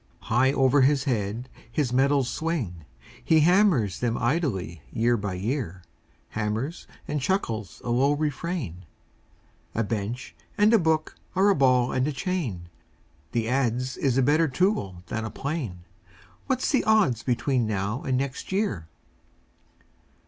High over his head his metals swing; He hammers them idly year by year, Hammers and chuckles a low refrain: "A bench and a book are a ball and a chain, The adze is a better tool than the plane; What's the odds between now and next year?"